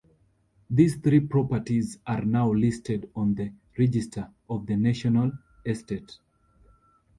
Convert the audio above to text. These three properties are now listed on the Register of the National Estate.